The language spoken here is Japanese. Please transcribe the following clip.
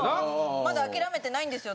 まだ諦めてないんですよ